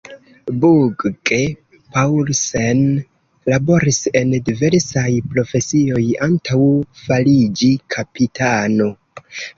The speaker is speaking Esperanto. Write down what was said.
Bugge-Paulsen laboris en diversaj profesioj antaŭ fariĝi kapitano.